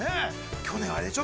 ◆去年あれでしょう。